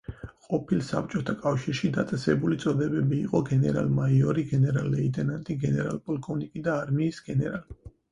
ყოფილ საბჭოთა კავშირში დაწესებული წოდებები იყო: გენერალ-მაიორი, გენერალ-ლეიტენანტი, გენერალ-პოლკოვნიკი და არმიის გენერალი.